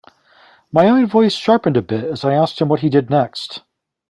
My own voice sharpened a bit as I asked him what he did next.